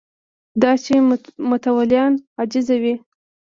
دا چې متولیان عاجزه دي